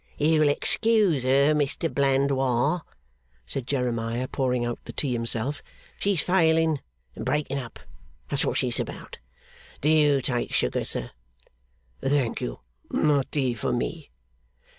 'You'll excuse her, Mr Blandois,' said Jeremiah, pouring out the tea himself, 'she's failing and breaking up; that's what she's about. Do you take sugar, sir?' 'Thank you, no tea for me.